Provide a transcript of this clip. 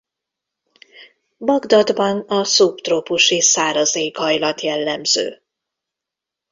Bagdadban a szubtrópusi száraz éghajlat jellemző.